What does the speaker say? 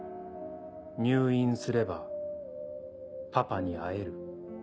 「入院すればパパに会える」。